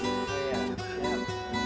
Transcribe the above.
iya enak banget